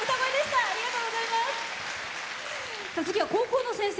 次は高校の先生。